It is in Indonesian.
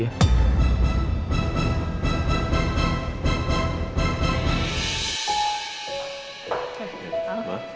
rasa sama dia